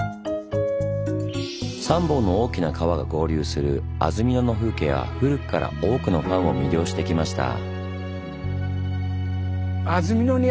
３本の大きな川が合流する安曇野の風景は古くから多くのファンを魅了してきました。